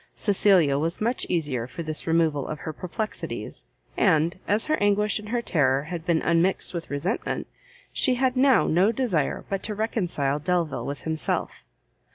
Cecilia was much easier for this removal of her perplexities, and, as her anguish and her terror had been unmixed with resentment, she had now no desire but to reconcile Delvile with himself.